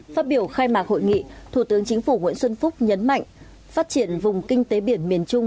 phát biểu khai mạc hội nghị thủ tướng chính phủ nguyễn xuân phúc nhấn mạnh phát triển vùng kinh tế biển miền trung